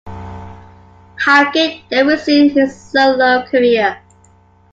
Hackett then resumed his solo career.